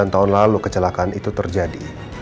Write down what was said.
dua puluh sembilan tahun lalu kecelakaan itu terjadi